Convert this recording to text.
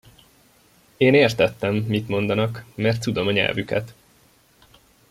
Én értettem, mit mondanak, mert tudom a nyelvüket.